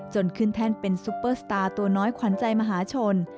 ขึ้นแท่นเป็นซุปเปอร์สตาร์ตัวน้อยขวัญใจมหาชน